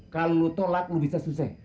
kalau lu tolak lu bisa susah